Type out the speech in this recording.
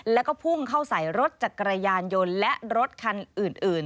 แล้วก็พุ่งเข้าใส่รถจักรยานยนต์และรถคันอื่น